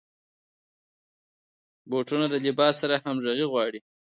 بوټونه د لباس سره همغږي غواړي.